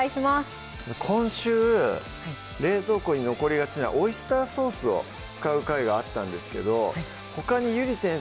今週冷蔵庫に残りがちなオイスターソースを使う回があったんですけどほかにゆり先生